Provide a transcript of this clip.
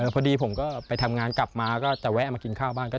พอดีผมก็ไปทำงานกลับมาก็จะแวะมากินข้าวบ้าง